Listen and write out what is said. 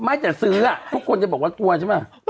ไม่แต่ซื้อทุกคนจะบอกว่ากลัวใช่ไหม